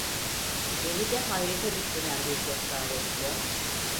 Beni de hayrete düşüren bir cesaretle: